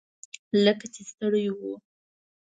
لکه چې ستړي وو.